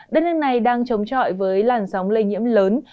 đất nước này đang chống chọi với làn sóng lây nhiễm lớn